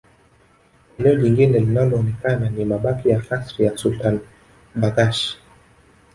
Eneo jingine linaloonekana ni mabaki ya kasri la Sultan Barghash